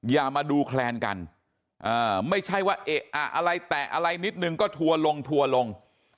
อย่ามาดูแคลนกันไม่ใช่ว่าอะไรแตะอะไรนิดนึงก็ถั่วลงถั่วลง